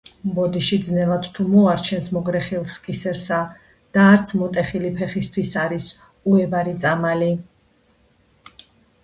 „ბოდიში ძნელად თუ მოარჩენს მოგრეხილს კისერსა, – და არც მოტეხილი ფეხისთვის არის უებარი წამალი.“